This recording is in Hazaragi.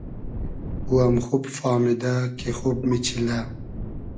او ام خوب فامیدۂ کی خوب میچیلۂ